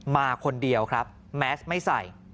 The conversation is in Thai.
มาคนเดียวครับแมสไม่ใส่